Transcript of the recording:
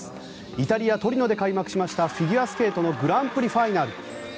イタリア・トリノで開幕しましたフィギュアスケートのグランプリファイナル。